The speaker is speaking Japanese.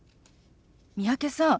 三宅さん